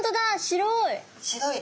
白い。